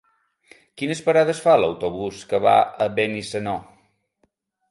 Quines parades fa l'autobús que va a Benissanó?